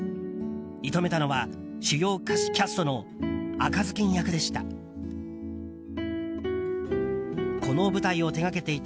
射止めたのは主要キャストの赤ずきん役でした。